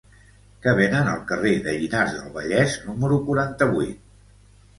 Què venen al carrer de Llinars del Vallès número quaranta-vuit?